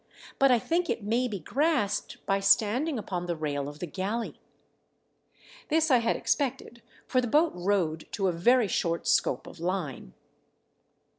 *' But I think it may be grasped by standing upon the rail of the galley." This I had expected, for the boat rode to a very short scope of line.